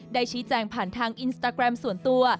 ชี้แจงผ่านทางอินสตาแกรมส่วนตัว